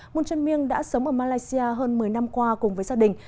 moon chun myung đã sống ở malaysia hơn một mươi năm qua cùng gia đình